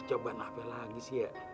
coba nape lagi sih ya